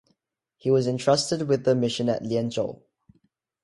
He was entrusted with the mission at Lianzhou.